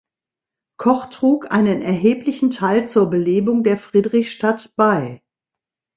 Koch trug einen erheblichen Teil zur Belebung der Friedrichstadt bei.